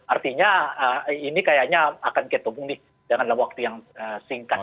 artinya ini kayaknya akan ketemu nih dengan waktu yang singkat